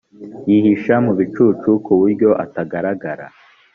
yihisha mu bicu ku buryo atagaragara